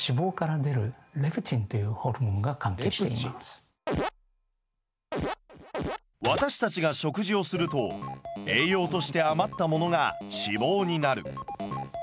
それは私たちが食事をすると栄養として余ったものが脂肪になる。